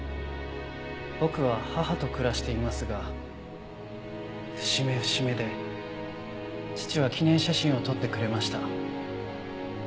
僕は母と暮らしていますが節目節目で父は記念写真を撮ってくれました。